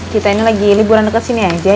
kita ini lagi liburan dekat sini aja